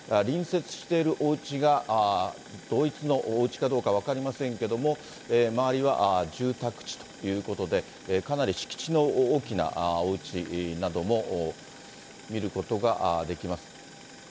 隣接しているおうちが、同一のおうちかどうか分かりが、周りは住宅地ということで、かなり敷地の大きなおうちなども見ることができます。